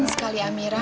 benar sekali amira